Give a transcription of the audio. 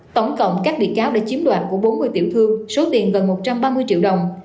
tổng cộng các bị cáo đã chiếm đoạt của bốn mươi tiểu thương số tiền gần một trăm ba mươi triệu đồng